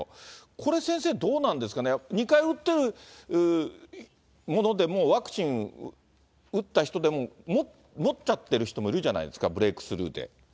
これ先生、どうなんですかね、２回打ってる者でも、ワクチン打った人でも、持っちゃってる人もいるじゃないですか、ブレークスルーで。